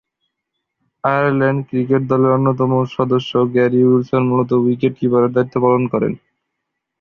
Ireland cricket দলের অন্যতম সদস্য গ্যারি উইলসন মূলতঃ উইকেট-কিপারের দায়িত্ব পালন করেন।